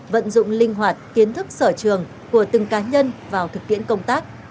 vận dụng linh hoạt kiến thức sở trường của từng cá nhân vào thực tiễn công tác